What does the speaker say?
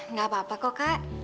nggak apa apa kok kak